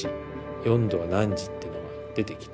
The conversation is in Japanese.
「４°は何時」っていうのが出てきて。